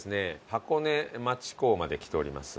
箱根町港まで来ております。